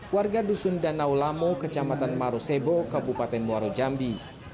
warga dusun dan naulamo kecamatan marosebo kabupaten muarajambi